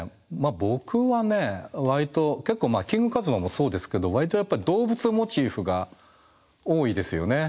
僕はね割と結構キングカズマもそうですけど割とやっぱり動物モチーフが多いですよね。